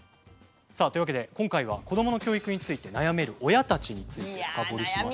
さあというわけで今回は子どもの教育について悩める親たちについて深掘りしましたけれども。